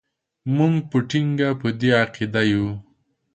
موږ په ټینګه په دې عقیده یو.